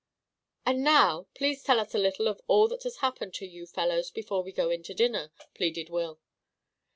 "And now, please tell us a little of all that happened to you fellows, before we go in to dinner," pleaded Will.